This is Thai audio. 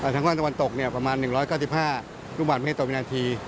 ทั้งฝั่งตะวันตกประมาณ๑๙๕รูปบาทไม่ได้ต่อวินาที